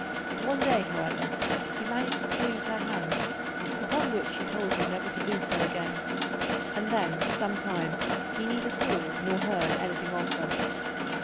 One day, however, he managed to squeeze her hand, upon which she told him never to do so again; and then for some time he neither saw nor heard anything of her.